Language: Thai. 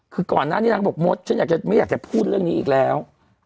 คือก่อนหน้านี้นางก็บอกมดฉันอยากจะไม่อยากจะพูดเรื่องนี้อีกแล้ว